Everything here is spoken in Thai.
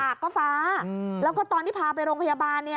ก็ฟ้าแล้วก็ตอนที่พาไปโรงพยาบาลเนี่ย